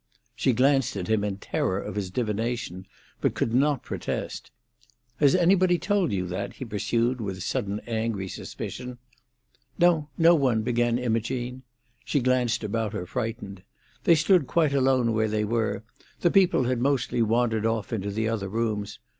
She glanced at him in terror of his divination, but could not protest. "Has any one told you that?" he pursued, with sudden angry suspicion. "No, no one," began Imogene. She glanced about her, frightened. They stood quite alone where they were; the people had mostly wandered off into the other rooms.